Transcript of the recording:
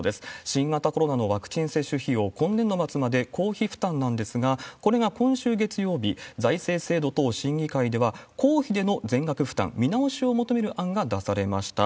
新型コロナのワクチン接種費用、今年度末まで公費負担なんですが、これが今週月曜日、財政制度等審議会では、公費での全額負担見直しを求める案が出されました。